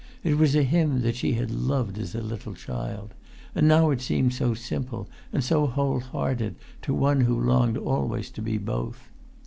It was a hymn that she had loved as a little child, and now it seemed so simple and so whole hearted to one who[Pg 320] longed always to be both.